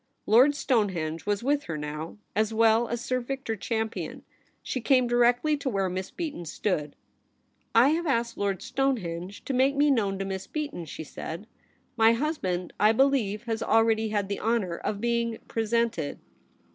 Lord Stonehenge was with her now, as well as Sir Victor Champion. She came directly to where Miss Beaton stood. ' I have asked Lord Stonehenore to make me known to Miss Beaton,' she said. ' My 96 THE REBEL ROSE. husband, I believe, has already had the honour of being presented.'